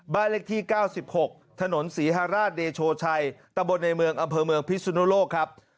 บ้านเลขที่๙๖ถนนศรีฮราชเดโชชัยตะบนในเมืองอำเภอเมืองพิสุนโลกครับ